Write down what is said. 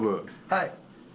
はい。